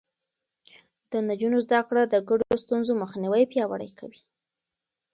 د نجونو زده کړه د ګډو ستونزو مخنيوی پياوړی کوي.